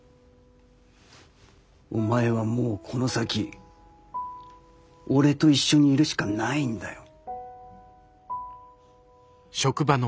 お前はもうこの先俺と一緒にいるしかないんだよ。